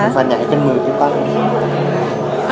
อะไรนะคะ